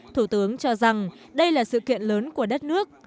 thủ tướng cho rằng đây là sự kiện lớn của đất nước